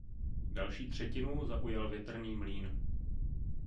Další třetinu zaujal větrný mlýn.